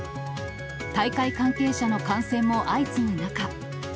大会関係者の感染も相次ぐ中。